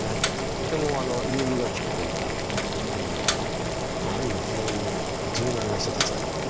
とても融通が利くというかまあある意味非常に柔軟な人たちだということになると思いますね。